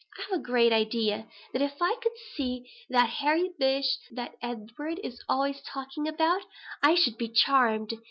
"I have a great idea that if I could see that Harry Bish that Edward is always talking about, I should be charmed.